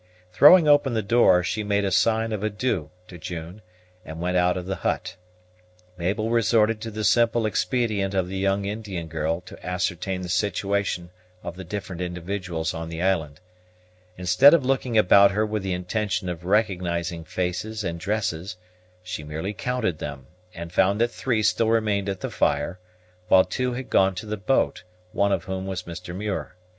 Throwing open the door, she made a sign of adieu to June, and went out of the hut. Mabel resorted to the simple expedient of the young Indian girl to ascertain the situation of the different individuals on the island. Instead of looking about her with the intention of recognizing faces and dresses, she merely counted them; and found that three still remained at the fire, while two had gone to the boat, one of whom was Mr. Muir.